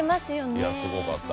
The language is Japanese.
いやすごかった。